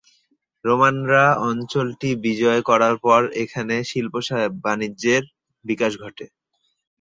রোমানরা অঞ্চলটি বিজয় করার পর এখানে শিল্প-বাণিজ্যের বিকাশ ঘটে।